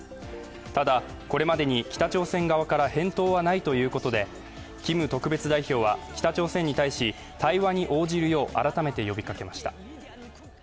ただ、これまでに北朝鮮側から返答はないということで、キム特別代表は、北朝鮮に対し対話に応じるよう改めて呼びかけました。